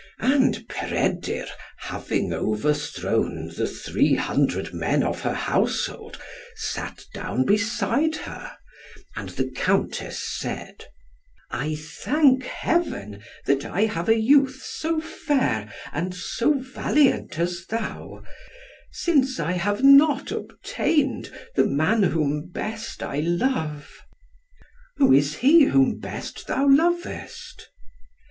And Peredur having overthrown the three hundred men of her household, sat down beside her, and the Countess said, "I thank Heaven that I have a youth so fair and so valiant as thou, since I have not obtained the man whom best I love." "Who is he whom best thou lovest?"